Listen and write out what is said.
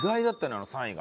あの３位が。